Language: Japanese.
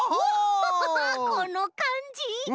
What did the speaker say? このかんじ！